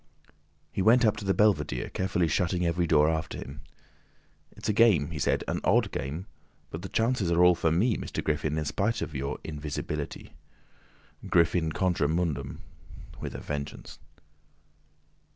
He went up to the belvedere, carefully shutting every door after him. "It's a game," he said, "an odd game—but the chances are all for me, Mr. Griffin, in spite of your invisibility. Griffin contra mundum ... with a vengeance."